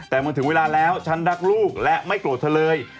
แต่เมื่อถึงเวลาแล้วฉันรักลูกและไม่โกรธเธอเลย